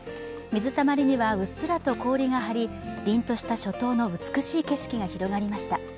水たまりにはうっすらと氷が張り凛とした初冬の美しい景色が広がりました